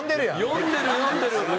呼んでる呼んでる！